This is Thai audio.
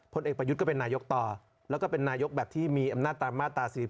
เอกประยุทธ์ก็เป็นนายกต่อแล้วก็เป็นนายกแบบที่มีอำนาจตามมาตรา๔๔